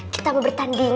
kita mau bertanding